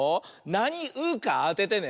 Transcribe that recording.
なに「う」かあててね。